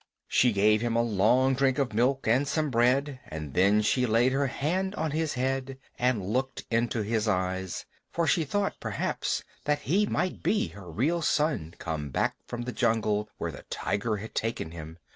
She gave him a long drink of milk and some bread, and then she laid her hand on his head and looked into his eyes; for she thought perhaps that he might be her real son come back from the jungle where the tiger had taken him.